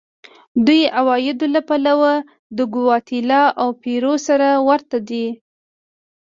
دوی د عوایدو له پلوه د ګواتیلا او پیرو سره ورته دي.